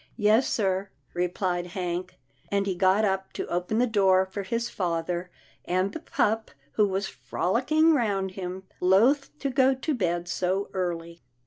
" Yes sir," replied Hank, and he got up to open the door for his father and the pup who was frolicking round him, loth to go to bed so early.